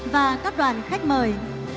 và các đoàn khách mời